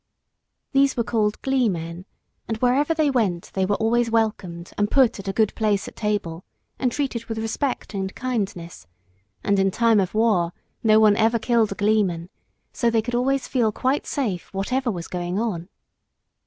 These were called gleemen, and wherever they went they were always welcomed and put at a good place at table, and treated with respect and kindness; and in time of war no one ever killed a gleeman, so they could always feel quite safe whatever was going on.